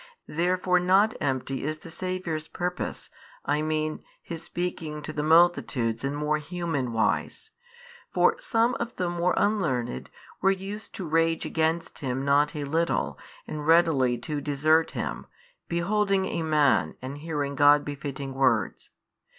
Therefore not empty is the Saviour's purpose, I mean His speaking to the multitudes in more human wise: for some of the more unlearned were used to rage against Him not a little and readily to desert Him, beholding a man and hearing God befitting |620 words.